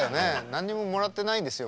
何にももらってないですよ